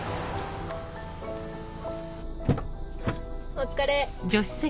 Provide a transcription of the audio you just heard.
お疲れ。